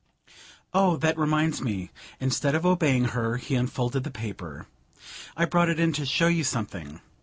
"Oh, that reminds me " instead of obeying her he unfolded the paper. "I brought it in to show you something.